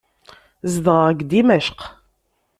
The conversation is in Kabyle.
Zedɣeɣ deg Dimecq.